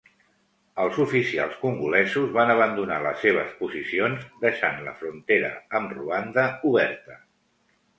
Els oficials congolesos van abandonar les seves posicions, deixant la frontera amb Ruanda oberta.